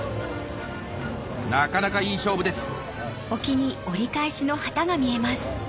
なかなかいい勝負です